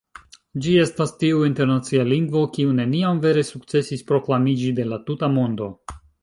Ĝi estas tiu internacia lingvo, kiu neniam vere sukcesis proklamiĝi de la tuta mondo.